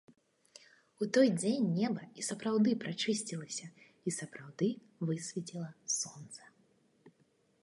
У той дзень неба і сапраўды прачысцілася і сапраўды высвеціла сонца.